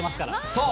そう。